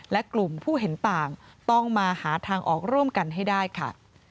และกลุ่มผู้เห็นต่างต้องมาหาทางออกร่วมกันให้ได้ค่ะ